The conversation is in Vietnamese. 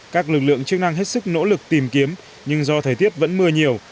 các lực lượng chức năng hết sức nỗ lực tìm kiếm nhưng do thời tiết vẫn mưa nhiều